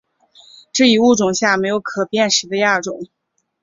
这一物种下没有可辨识的亚种。